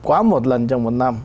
quá một lần trong một năm